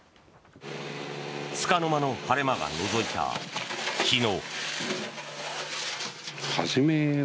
つかの間の晴れ間がのぞいた昨日。